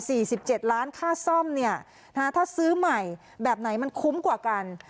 สิบเจ็ดล้านค่าซ่อมเนี่ยนะฮะถ้าซื้อใหม่แบบไหนมันคุ้มกว่ากัน